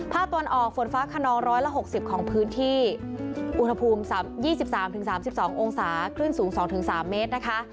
ตอนออกฝนฟ้าขนอง๑๖๐ของพื้นที่อุณหภูมิ๒๓๓๒องศาคลื่นสูง๒๓เมตรนะคะ